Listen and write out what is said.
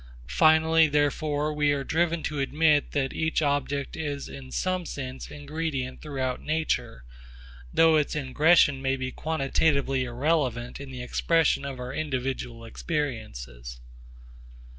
Finally therefore we are driven to admit that each object is in some sense ingredient throughout nature; though its ingression may be quantitatively irrelevant in the expression of our individual experiences.